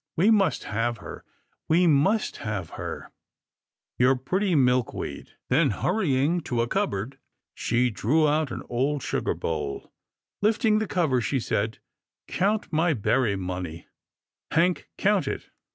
" We must have her — we must have her — your pretty Milk weed." Then, hurrying to a cupboard, she drew out an old sugar bowl. Lifting the cover, she said, " Count my berry money, Hank, count it."